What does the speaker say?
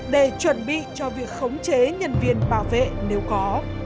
để chuẩn bị cho việc khống chế nhân viên bảo vệ nếu có